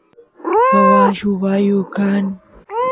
caballu bayu kan